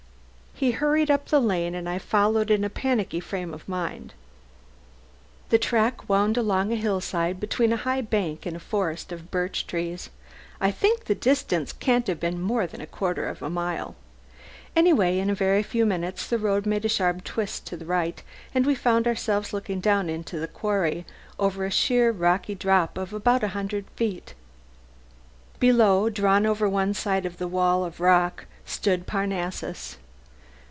He hurried up the lane, and I followed in a panicky frame of mind. The track wound along a hillside, between a high bank and a forest of birch trees. I think the distance can't have been more than a quarter of a mile. Anyway, in a very few minutes the road made a sharp twist to the right and we found ourselves looking down into the quarry, over a sheer rocky drop of a hundred feet at least. Below, drawn over to one side of the wall of rock, stood Parnassus.